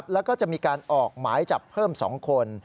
แล้วก็จะมีการออกหมายจับเพิ่ม๒คน